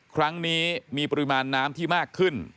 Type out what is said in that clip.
ครั้งนี้มีปริมาณน้ำที่มากขึ้น